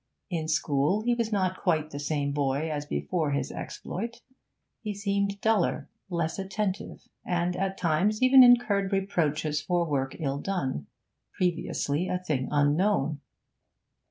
In school he was not quite the same boy as before his exploit; he seemed duller, less attentive, and at times even incurred reproaches for work ill done previously a thing unknown.